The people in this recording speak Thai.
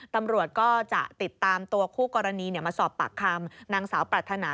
ตำรวจก็จะติดตามตัวคู่กรณีมาสอบปากคำนางสาวปรัฐนา